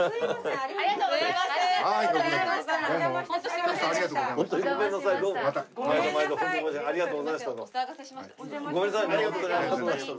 ありがとうございましたどうも。